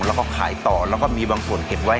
แล้วก็ขายต่อแล้วก็มีบางส่วนเก็บไว้